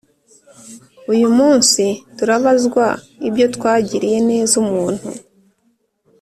Uyu munsi turabazwa ibyo twagiriye neza umuntu